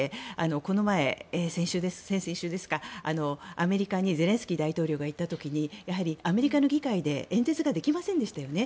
この前、先々週ですかアメリカにゼレンスキー大統領が行った時にアメリカの議会で演説ができませんでしたよね。